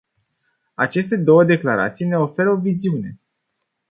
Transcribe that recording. Aceste două declarații ne oferă o viziune.